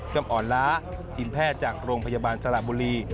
กรรมอ่อนล้าทีมแพทย์จากโรงพยาบาลสระบุรี